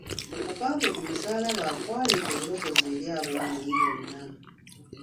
Okufa kwe ku musaalaba kwaleeta obulokozi eri aboonoonyi bonna.